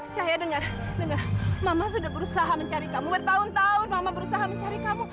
saya dengar dengar mama sudah berusaha mencari kamu bertahun tahun mama berusaha mencari kamu